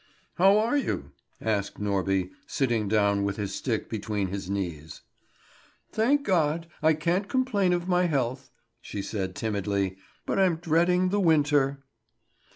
"How are you?" asked Norby, sitting down with his stick between his knees. "Thank God, I can't complain of my health," she said timidly, "but I'm dreading the winter."